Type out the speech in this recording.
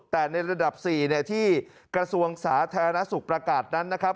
แต่ในระดับ๔ที่กระทรวงสาธารณสุขประกาศนั้นนะครับ